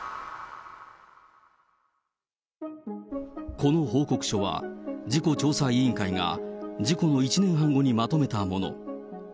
この報告書は、事故調査委員会が、事故の１年半後にまとめたもの。